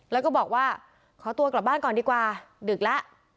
แล้วก็บอกว่าขอตัวกลับบ้านก่อนดีกว่าดึกแล้ว